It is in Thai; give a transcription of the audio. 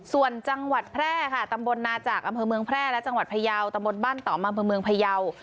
ส่วนจังหวัดแพร่ค่ะตำบลนาจากอำเภอเมืองแพร่และจังหวัดพยาวตำบลบ้านต่อมาอำเภอเมืองพยาว